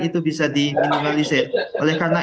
itu bisa diminimalisir oleh karena